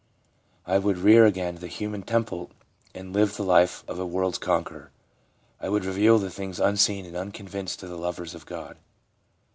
I would rear again the human temple and live the life of a world's conqueror. I would reveal the things unseen and unconceived to the lovers of God.'